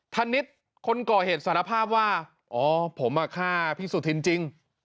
ธนิษฐ์คนก่อเหตุสารภาพว่าอ๋อผมฆ่าพี่สุธินจริง